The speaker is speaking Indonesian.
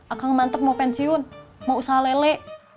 akan mantep mau pensiun mau usaha lele